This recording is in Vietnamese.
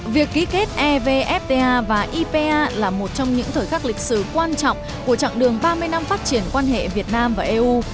việc ký kết evfta và ipa là một trong những thời khắc lịch sử quan trọng của chặng đường ba mươi năm phát triển quan hệ việt nam và eu